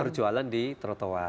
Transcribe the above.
berjualan di trotoar